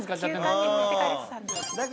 旧館に持ってかれてたんだ。